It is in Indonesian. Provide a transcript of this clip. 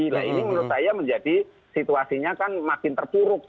nah ini menurut saya menjadi situasinya kan makin terpuruk